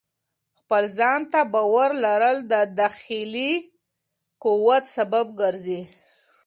خپل ځان ته باور لرل د داخلي قوت سبب ګرځي.